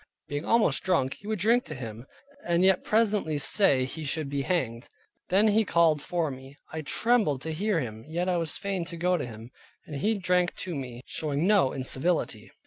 Being almost drunk, he would drink to him, and yet presently say he should be hanged. Then he called for me. I trembled to hear him, yet I was fain to go to him, and he drank to me, showing no incivility.